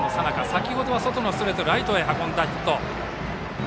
先程は外のストレートをライトへ運んでのヒット。